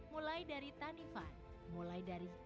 mulai dari tanifan mulai dari kita sendiri